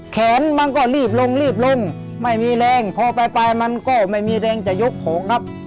แขนมันก็รีบลงรีบลงไม่มีแรงพอไปไปมันก็ไม่มีแรงจะยกของครับ